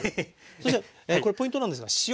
そしたらこれポイントなんですが塩。